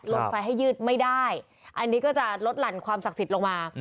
ลดไฟให้ยืดไม่ได้อันนี้ก็จะลดหลั่นความศักดิ์สิทธิ์ลงมา